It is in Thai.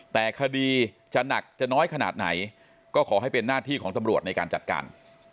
แต่คดีจะหนักจะน้อยขนาดไหนก็ขอให้เป็นหน้าที่ของตำรวจในการจัดการ